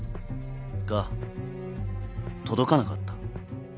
が届かなかった。